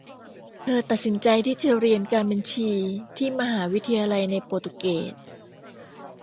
เธอตัดสินใจที่จะเรียนการบัญชีที่มหาวิทยาลัยในโปรตุเกส